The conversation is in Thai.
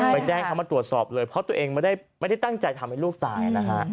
แจ้งเขามาตรวจสอบเลยเพราะตัวเองไม่ได้ตั้งใจทำให้ลูกตายนะฮะ